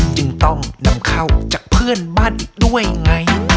จึงต้องนำเข้าจากเพื่อนบ้านอีกด้วยไง